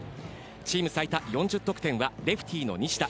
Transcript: チーム最多４０得点はレフティの西田。